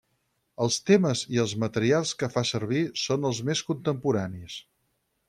Els temes i els materials que fa servir són els més contemporanis.